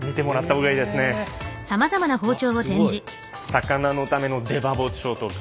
魚のための出刃包丁とか。